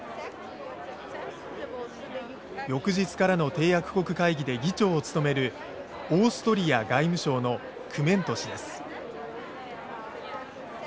翌日からの締約国会議で議長を務めるオーストリア外務省のクメント氏です。